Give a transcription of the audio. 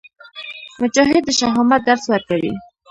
مجاهد د شهامت درس ورکوي.